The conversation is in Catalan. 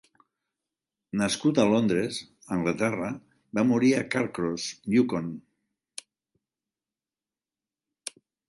Nascut a Londres, Anglaterra, va morir a Carcross, Yukon.